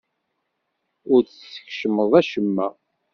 Ur d-teskecmeḍ acemma.